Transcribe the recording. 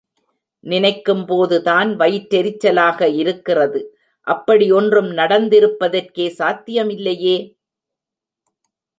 நினைக்கும்போதுதான் வயிற்றெரிச்சலாக இருக்கிறது. அப்படி ஒன்றும் நடந்திருப்பதற்கே சாத்தியமில்லையே?